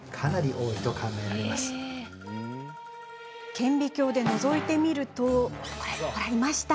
顕微鏡でのぞいてみるといました